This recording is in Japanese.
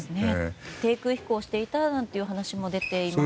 低空飛行していたなんていう話も出ていますね。